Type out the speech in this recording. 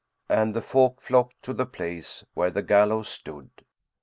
And the folk flocked to the place where the gallows stood.